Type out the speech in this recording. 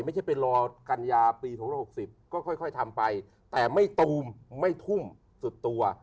ไม่ใช่ไปรอกัญญาปี๒๖๐ก็ค่อยทำไปแต่ไม่ตูมไม่ทุ่มสุดตัว